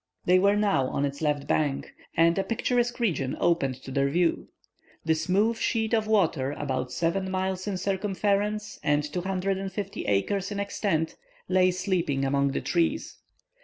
They were now on its left bank, and a picturesque region opened to their view. The smooth sheet of water, about seven miles in circumference and 250 acres in extent, lay sleeping among the trees.